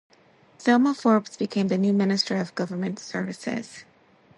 Thelma Forbes became the new Minister of Government Services.